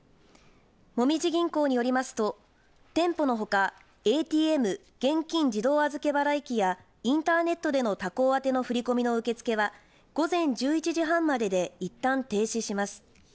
もみじ銀行によりますと店舗のほかＡＴＭ、現金自動預払機やインターネットでの他行宛ての振り込みの受け付けは午前１１時半まででいったん停止します。